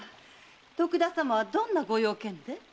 徳田様はどんなご用件で？